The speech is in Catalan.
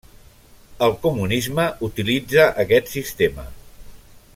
El comunisme utilitza aquest sistema.